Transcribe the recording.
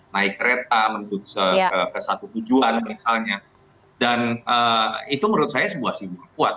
naik kereta menuju ke satu tujuan misalnya dan itu menurut saya sebuah simbol kuat